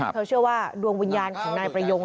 เชื่อว่าดวงวิญญาณของนายประยง